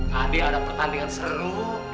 tadi ada pertandingan seru